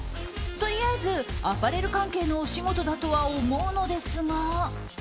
とりあえずアパレル関係のお仕事だとは思うのですが。